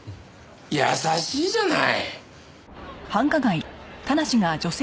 優しいじゃない！